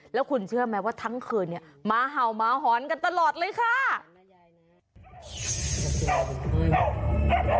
แล้วคุณเชื่อไหมว่าทั้งคืนเนี่ยม้าเห่าม้าหอนกันตลอดเลยค่ะ